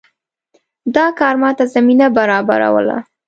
دا کار ماته زمینه برابروله.